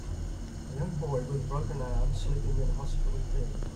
A young boy with a broken arm sleeping in a hospital bed.